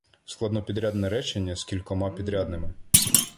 Складнопідрядне речення з кількома підрядними